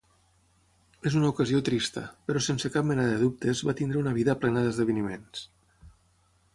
És una ocasió trista, però sense cap mena de dubtes va tenir una vida plena d'esdeveniments.